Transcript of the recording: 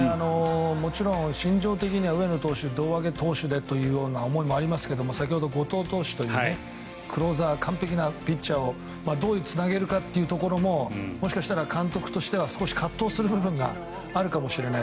もちろん心情的には上野投手が胴上げ投手でという思いもありますけど先ほど後藤投手というクローザー、完璧なピッチャーがどうつなげるかももしかしたら監督としては少し葛藤する部分があるかもしれない。